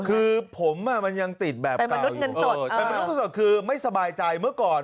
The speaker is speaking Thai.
คือผมมันยังติดแบบกล้าอยู่เป็นมนุษย์เงินสดคือไม่สบายใจเมื่อก่อน